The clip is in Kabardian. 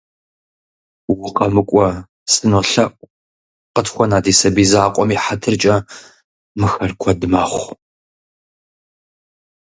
- УкъэмыкӀуэ, сынолъэӀу, къытхуэна ди сабий закъуэм и хьэтыркӀэ, мыхэр куэд мэхъу.